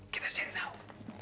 kita cari tau